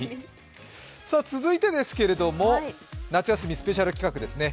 続いてですけれども、夏休みスペシャル企画ですね。